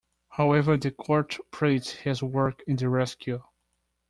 However the court praised his work in the rescue.